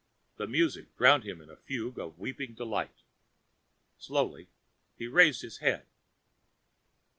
The music drowned him in a fugue of weeping delight. Slowly he raised his head.